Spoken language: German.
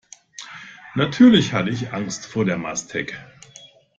Natürlich hatte ich Angst vor der Mastek.